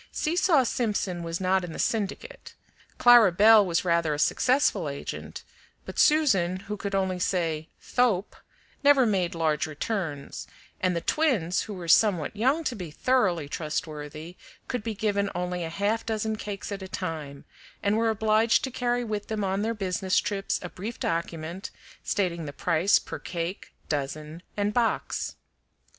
Seesaw Simpson was not in the syndicate. Clara Belle was rather a successful agent, but Susan, who could only say "thoap," never made large returns, and the twins, who were somewhat young to be thoroughly trustworthy, could be given only a half dozen cakes at a time, and were obliged to carry with them on their business trips a brief document stating the price per cake, dozen, and box.